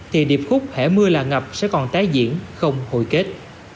thì điệp khúc hẻ mưa là ngập sẽ còn tái diễn không hồi kết